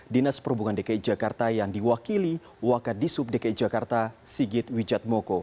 dinas perhubungan dki jakarta yang diwakili wakadisub dki jakarta sigit wijatmoko